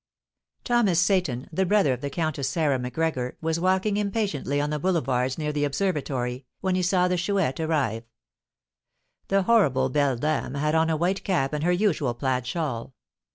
Thomas Seyton, the brother of the Countess Sarah Macgregor, was walking impatiently on the boulevards near the Observatory, when he saw the Chouette arrive. The horrible beldame had on a white cap and her usual plaid shawl.